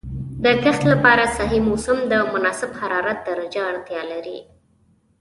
د کښت لپاره صحیح موسم او د مناسب حرارت درجه اړتیا لري.